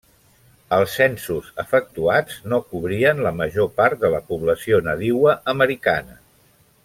Els censos efectuats no cobrien la major part de la població nadiua americana.